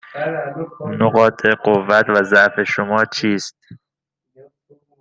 نقاط قوت و ضعف شما چیست؟